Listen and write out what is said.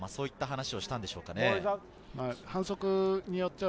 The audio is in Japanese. そういった話をしたんでしょうかね。